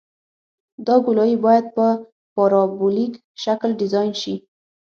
دا ګولایي باید په پارابولیک شکل ډیزاین شي